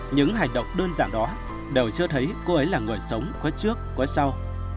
những hành động đơn giản đó đều cho thấy cô ấy là người sống quá trước quá sau